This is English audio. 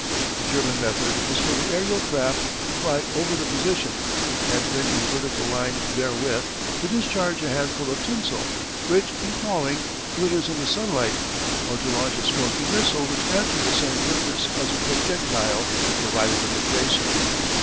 The German method is for the aerial craft to fly over the position, and when in vertical line therewith to discharge a handful of tinsel, which, in falling, glitters in the sunlight, or to launch a smoking missile which answers the same purpose as a projectile provided with a tracer.